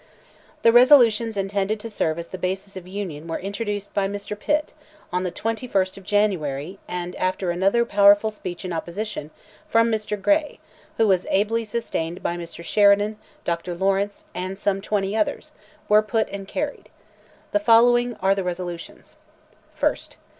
The resolutions intended to serve as "the basis of union," were introduced by Mr. Pitt, on the 21st of January, and after another powerful speech in opposition, from Mr. Grey, who was ably sustained by Mr. Sheridan, Dr. Lawrence, and some twenty others, were put and carried. The following are the resolutions:— 1st.